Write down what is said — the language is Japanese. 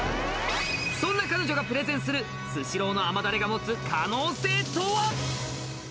そんな彼女がプレゼンするスシローの甘だれが持つ可能性とは？